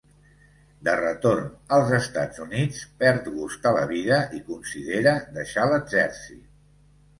De retorn als Estats Units, perd gust a la vida i considera deixar l'exèrcit.